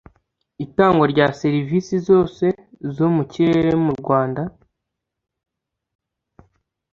itangwa rya serivisi zose zo mu kirere mu rwanda